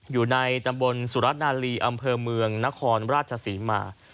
อยู่ในตำบลสุรัตนาลีอำเภอเมืองนครราชศรีมา